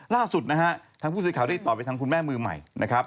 ล่าสุดนะฮะทางผู้สื่อข่าวได้ตอบไปทางคุณแม่มือใหม่นะครับ